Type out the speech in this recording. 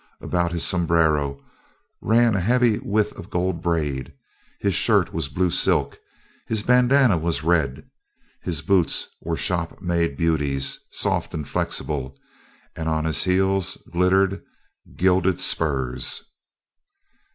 About his sombrero ran a heavy width of gold braid; his shirt was blue silk; his bandana was red; his boots were shop made beauties, soft and flexible; and on his heels glittered gilded spurs!